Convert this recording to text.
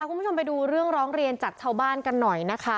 คุณผู้ชมไปดูเรื่องร้องเรียนจากชาวบ้านกันหน่อยนะคะ